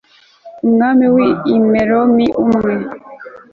umwami w'i meromi, umwe